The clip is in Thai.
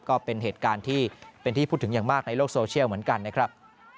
ก็เป็นเหตุการณ์ที่เป็นที่พูดถึงอย่างมากในโลกโซเชียลเหมือนกันนะครับ